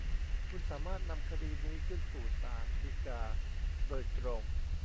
คุณสามารถนำคดีนี้ขึ้นสู่ศาลฎีกาโดยตรง